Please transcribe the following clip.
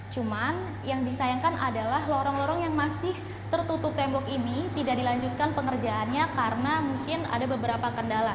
cuman yang disayangkan adalah lorong lorong yang masih tertutup tembok ini tidak dilanjutkan pengerjaannya karena mungkin ada beberapa kendala